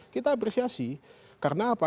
kita apresiasi karena apa